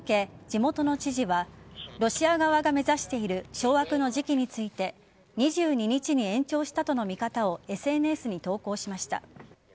地元の知事はロシア側が目指している掌握の時期について２２日に延長したとの見方をＳＮＳに投稿しました。